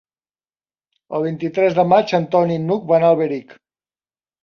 El vint-i-tres de maig en Ton i n'Hug van a Alberic.